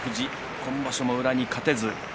今場所も宇良に勝てず。